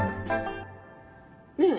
ねえ。